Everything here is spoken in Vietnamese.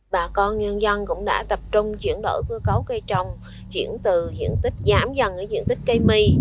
bà con nhân dân cũng đã tập trung chuyển đổi cơ cấu cây trồng chuyển từ diện tích giảm dần ở diện tích cây mì